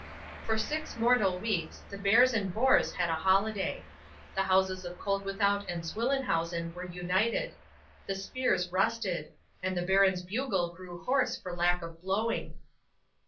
'For six mortal weeks, the bears and boars had a holiday. The houses of Koeldwethout and Swillenhausen were united; the spears rusted; and the baron's bugle grew hoarse for lack of blowing.